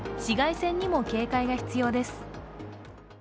紫外線にも警戒が必要です。